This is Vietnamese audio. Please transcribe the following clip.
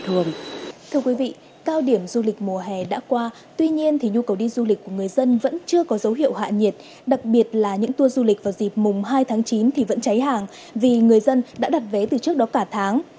thưa quý vị cao điểm du lịch mùa hè đã qua tuy nhiên thì nhu cầu đi du lịch của người dân vẫn chưa có dấu hiệu hạ nhiệt đặc biệt là những tour du lịch vào dịp mùng hai tháng chín thì vẫn cháy hàng vì người dân đã đặt vé từ trước đó cả tháng